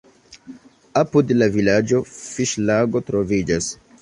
Apud la vilaĝo fiŝlago troviĝas.